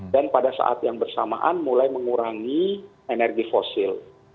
dan pada saat yang bersamaan mulai mengurangi energi fosil